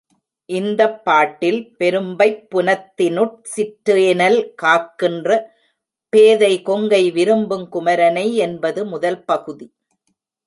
இந்தப் பாட்டில் பெரும்பைம் புனத்தினுட் சிற்றேனல் காக்கின்ற பேதை கொங்கை விரும்புங் குமரனை என்பது முதல் பகுதி.